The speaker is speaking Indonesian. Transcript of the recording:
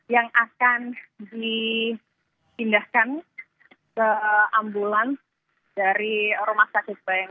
yang akan di pindahkan ke ambulans dari rumah sakit bayang